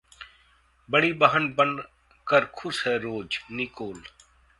बड़ी बहन बन कर खुश है रोजः निकोल